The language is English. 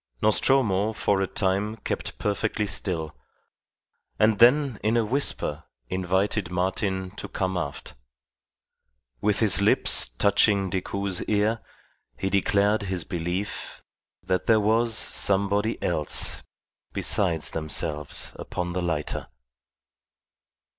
Nostromo for a time kept perfectly still, and then in a whisper invited Martin to come aft. With his lips touching Decoud's ear he declared his belief that there was somebody else besides themselves upon the lighter.